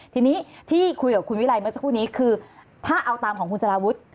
ทีนี้ที่คุยกับคุณวิรัยเมื่อสักครู่นี้คือถ้าเอาตามของคุณสารวุฒิ